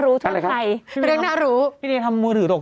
มือถือตก